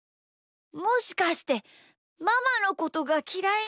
もしかしてママのことがきらいに。